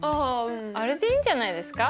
あれでいいんじゃないですか？